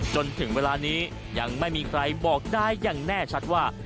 จนถึงเวลานี้ยังไม่มีใครบอกได้อย่างแน่ชัดว่า